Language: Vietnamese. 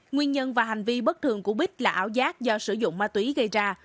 nguyên nhân và hành vi bất thường của bích là ảo giác do sử dụng ma túy gây ra